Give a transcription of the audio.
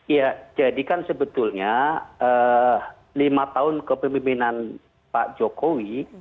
ya jadikan sebetulnya lima tahun kepemimpinan pak jokowi